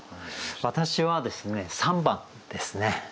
私はですね３番ですね。